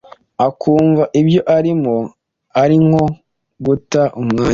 akumva ibyo arimo ari nko guta umwanya